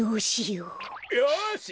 よし！